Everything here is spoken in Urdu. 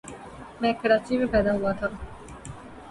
میں کراچی میں پیدا ہوا تھا۔